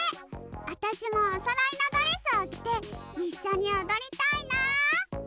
あたしもおそろいのドレスをきていっしょにおどりたいな！